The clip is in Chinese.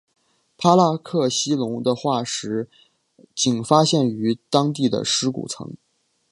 帕拉克西龙的化石仅发现于当地的尸骨层。